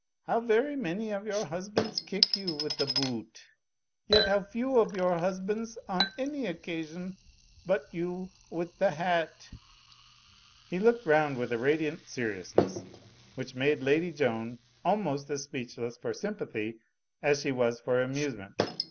How very many of your husbands kick you with the boo oot! Yet how few of your husbands on any occasion butt you with the hat?"' He looked round with a radiant seriousness, which made Lady Joan almost as speechless for sympathy as she was for amusement.